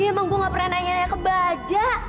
iya emang gue gak pernah nanya nanya ke baja